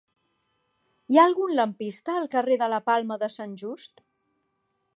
Hi ha algun lampista al carrer de la Palma de Sant Just?